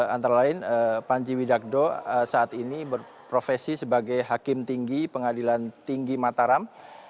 antara lain panji widagdo saat ini berprofesi sebagai hakim tinggi pengadilan tinggi mataram